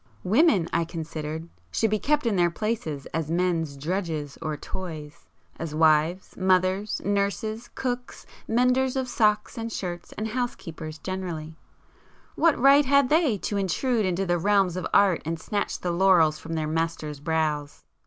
Women, I considered, should be kept in their places as men's drudges or toys—as wives, mothers, nurses, cooks, menders of socks and shirts, and housekeepers generally,—what right had they to intrude into the realms of art and snatch the laurels from their masters' brows!